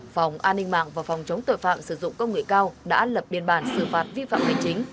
phòng an ninh mạng và phòng chống tội phạm sử dụng công nghệ cao đã lập biên bản xử phạt vi phạm hành chính